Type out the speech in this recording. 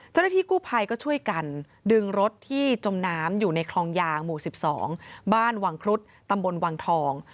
เจ้าหน้าที่กู้ภัยก็ช่วยกันดึงรถที่จมน้ำอยู่ในคลองยางหมู่๑๒บ้านวังครุฑตำบลวังทอง